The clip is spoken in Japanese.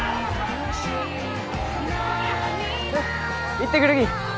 行ってくるき。